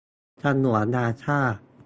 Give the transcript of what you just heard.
ฉนวนนาซ่า